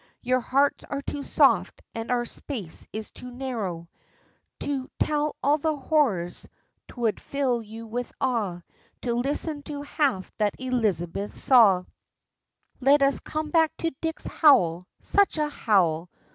Your hearts are too soft and our space is too narrow To tell all the horrors! 'Twould fill you with awe To listen to half that Elizabeth saw: Let us come to Dick's howl such a howl!